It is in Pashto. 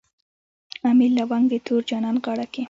امیل لونګ د تور جانان غاړه کي